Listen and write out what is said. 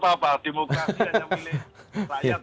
demokrasi hanya milih rakyat